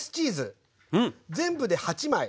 全部で８枚。